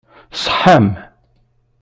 Tṣeḥḥam?